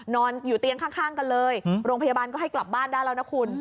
นอนอยู่เตียงข้างกันเลยโรงพยาบาลก็ให้กลับบ้านได้แล้วนะคุณ